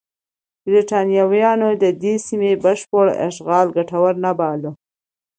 برېټانویانو د دې سیمې بشپړ اشغال ګټور نه باله.